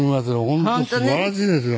本当すばらしいですよ。